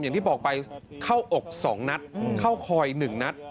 อย่างที่บอกไปเข้าอกสองนัดเข้าคอยหนึ่งนัด